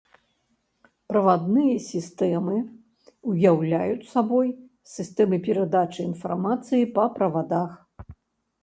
Правадныя сістэмы ўяўляюць сабой сістэмы перадачы інфармацыі па правадах.